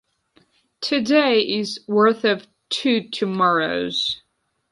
Today is worth of two tomorrows.